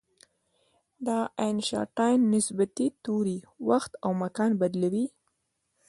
د آینشټاین نسبیتي تیوري وخت او مکان بدلوي.